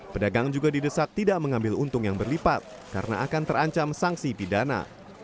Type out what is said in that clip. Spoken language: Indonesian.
pedagang juga didesak tidak mengambil untung yang berlipat karena akan terancam sanksi pidana